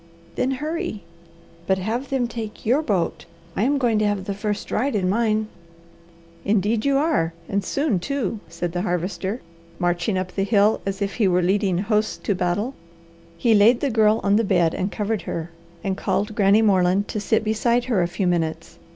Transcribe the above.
"Then hurry! But have them take your boat. I am going to have the first ride in mine." "Indeed you are, and soon, too!" said the Harvester, marching up the hill as if he were leading hosts to battle. He laid the Girl on the bed and covered her, and called Granny Moreland to sit beside her a few minutes.